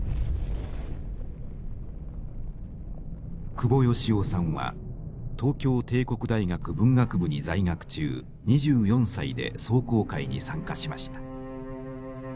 久保恵男さんは東京帝国大学文学部に在学中２４歳で壮行会に参加しました。